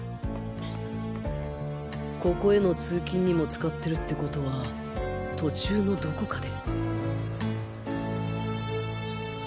ここへの通勤にも使ってるってことは途中のどこかで